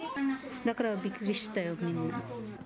だからびっくりしたよ、みんな。